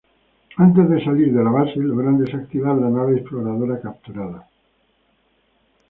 Antes de salir de la base, logran desactivar la nave exploradora capturada.